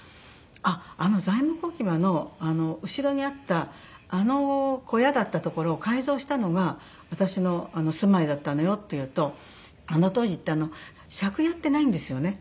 「あの材木置き場の後ろにあったあの小屋だった所を改造したのが私の住まいだったのよ」って言うとあの当時って借家ってないんですよね。